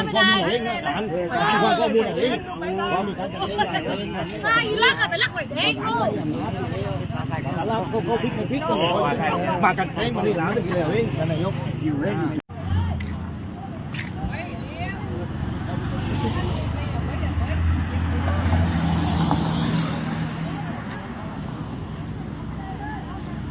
ก็ไม่มีอำนาจ